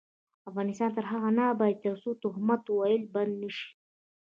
افغانستان تر هغو نه ابادیږي، ترڅو تهمت ویل بند نشي.